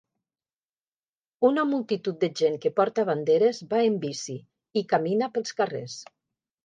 Una multitud de gent que porta banderes va en bici i camina pels carrers.